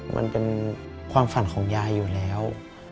มันเป็นความฝันของยายอยู่แล้ว